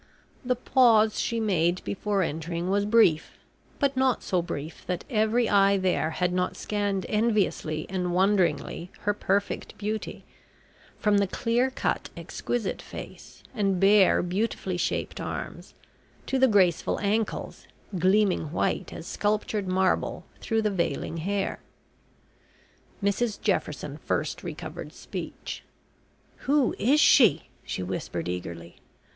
The pause she made before entering was brief, but not so brief that every eye there had not scanned enviously and wonderingly her perfect beauty from the clear cut, exquisite face and bare, beautifully shaped arms, to the graceful ankles, gleaming white as sculptured marble through the veiling hair. Mrs Jefferson first recovered speech. "Who is she?" she whispered eagerly.